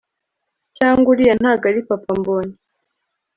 cyangwa uriya ntago ari papa mbonye!